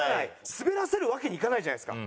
スベらせるわけにいかないじゃないですか。